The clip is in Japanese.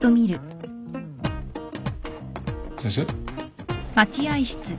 先生？